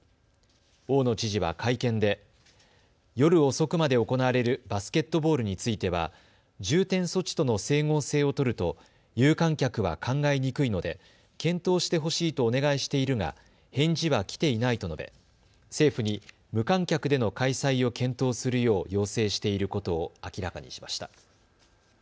大野知事は会見で夜遅くまで行われるバスケットボールについては重点措置との整合性を取ると有観客は考えにくいので検討してほしいとお願いしているが返事は来ていないと述べ政府に無観客での開催を検討するよう要請していることを明らかにしました。